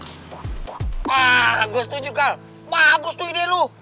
wah bagus tuh juh kal bagus tuh ide lo